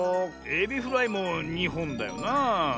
エビフライも２ほんだよなあ。